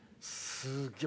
すげえ。